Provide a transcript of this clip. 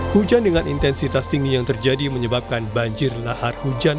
hujan dengan intensitas tinggi yang terjadi menyebabkan banjir lahar hujan